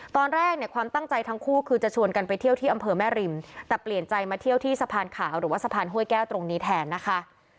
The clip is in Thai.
ตอนแรกเนี่ยความตั้งใจทั้งคู่คือจะชวนกันไปเที่ยวที่อำเภอแม่ริมแต่เปลี่ยนใจมาเที่ยวที่สะพานขาวหรือว่าสะพานห้วยแก้วตรงนี้แทนนะคะ